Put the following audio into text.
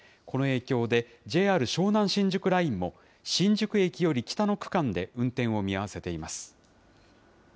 この影響でＪＲ湘南新宿ラインも、新宿駅より北の区間で運転を見合わせています。